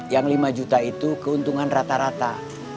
yang lima juta itu keuntungan rata rata